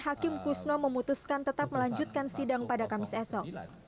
hakim kusno memutuskan tetap melanjutkan sidang pada kamis esok